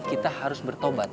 kita harus bertobat